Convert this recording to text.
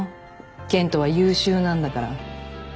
健人は優秀なんだから。